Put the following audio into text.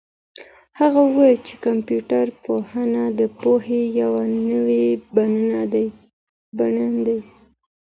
هغه وویل چي کمپيوټر پوهنه د پوهې یو نوی بڼ دی.